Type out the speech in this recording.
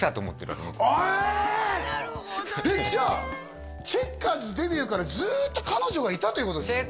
なるほどねじゃあチェッカーズデビューからずっと彼女がいたということですね？